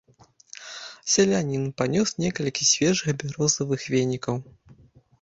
Селянін панёс некалькі свежых бярозавых венікаў.